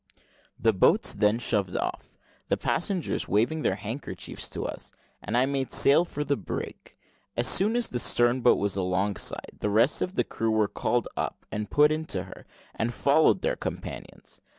The boats then shoved off, the passengers waving their handkerchiefs to us, and I made sail for the brig. As soon as the stern boat was alongside, the rest of the crew were called up and put into her, and followed their companions.